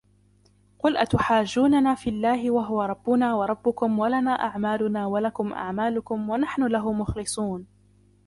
قل أتحاجوننا في الله وهو ربنا وربكم ولنا أعمالنا ولكم أعمالكم ونحن له مخلصون